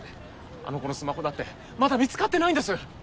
あの子のスマホだってまだ見つかってないんです。